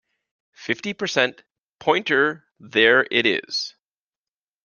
Fifty percent pointer-there it is!